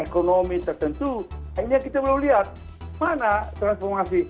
ekonomi tertentu akhirnya kita belum lihat mana transformasi